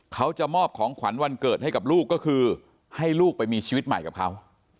เขาจะมอบของขวัญวันเกิดให้กับลูกก็คือให้ลูกไปมีชีวิตใหม่กับเขา